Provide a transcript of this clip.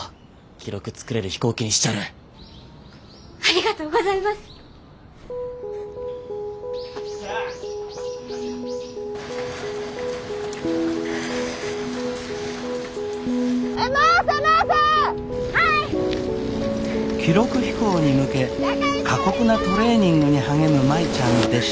記録飛行に向け過酷なトレーニングに励む舞ちゃんでしたが。